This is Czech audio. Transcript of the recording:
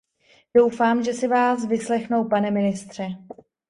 Doufám, že si vás vyslechnou, pane ministře.